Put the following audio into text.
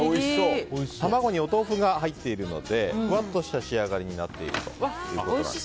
卵にお豆腐が入っているのでふわっとした仕上がりになっているということなんです。